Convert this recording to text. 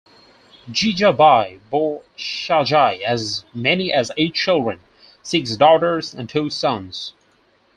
Jijabai bore Shahaji as many as eight children, six daughters and two sons.